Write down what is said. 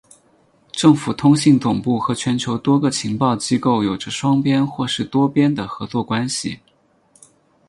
政府通信总部和全球多个情报机构有着双边或是多边的合作关系。